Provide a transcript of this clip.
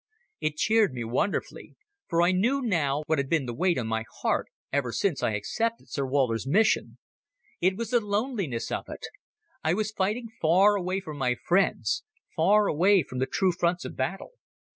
It cheered me wonderfully, for I knew now what had been the weight on my heart ever since I accepted Sir Walter's mission. It was the loneliness of it. I was fighting far away from my friends, far away from the true fronts of battle.